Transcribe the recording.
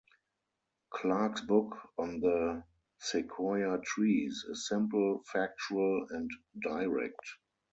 Clark's book on the sequoia trees is simple, factual, and direct.